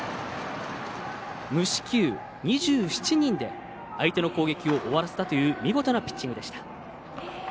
無四球２７人で相手の攻撃を終わらせたという見事なピッチングでした。